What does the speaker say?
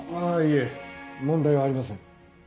いえ問題はありません。